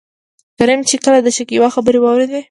کريم چې کله دشکيبا خبرې واورېدې.